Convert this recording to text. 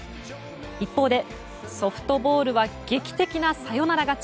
一方でソフトボールは劇的なサヨナラ勝ち。